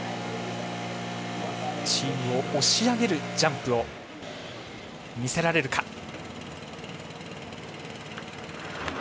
チームを押し上げるジャンプを見せられるか。